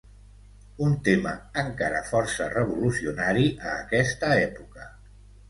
Un tema encara força revolucionari a aquesta època.